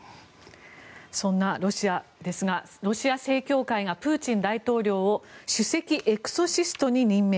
そんなロシアですがロシア正教会がプーチン大統領を首席エクソシストに任命。